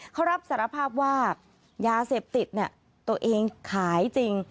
เขารับสารภาพว่ายาเสพติดตัวเองขายจริง